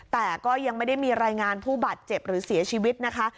แต่ก็ยังไม่ได้มีรายงานผู้บาดเจ็บหรือเสียชีวิตนะคะ